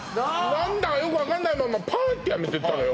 何だかよく分かんないままパーンってやめてったわよ